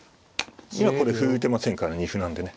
今これ歩打てませんから二歩なんでね。